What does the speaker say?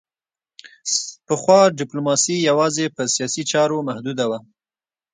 پخوا ډیپلوماسي یوازې په سیاسي چارو محدوده وه